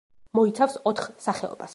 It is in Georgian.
მოიცავს ოთხ სახეობას.